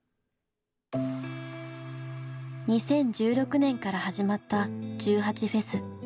２０１６年から始まった１８祭。